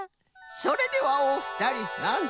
それではおふたりさん